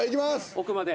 奥まで。